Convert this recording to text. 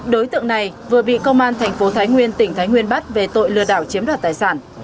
đối tượng này vừa bị công an thành phố thái nguyên tỉnh thái nguyên bắt về tội lừa đảo chiếm đoạt tài sản